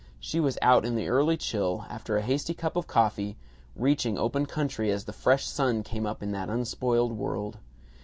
She was out in the early chill, after a hasty cup of coffee, reaching open country as the fresh sun came up in that unspoiled world.